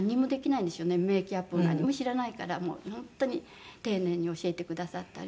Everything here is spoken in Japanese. メーキャップも何も知らないからもう本当に丁寧に教えてくださったり。